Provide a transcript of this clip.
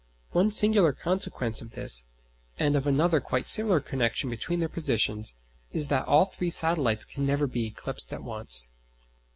One singular consequence of this, and of another quite similar connection between their positions, is that all three satellites can never be eclipsed at once.